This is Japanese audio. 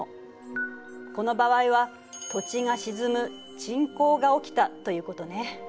この場合は土地が沈む「沈降」が起きたということね。